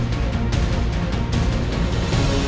ถังแครับ